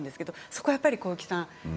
そこはやっぱり小雪さん